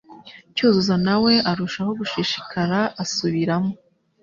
Cyuzuzo na we arushaho gushishikara asubiramo